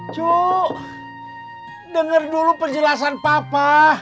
cuk dengar dulu penjelasan papa